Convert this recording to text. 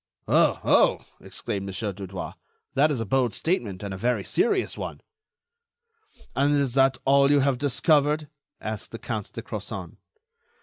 "Oh! oh!" exclaimed Mon. Dudouis, "that is a bold statement and a very serious one." "And is that all you have discovered?" asked the Count de Crozon.